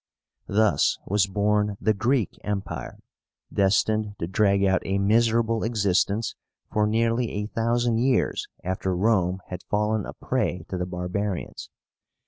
Thus was born the GREEK EMPIRE, destined to drag out a miserable existence for nearly a thousand years after Rome had fallen a prey to the barbarians.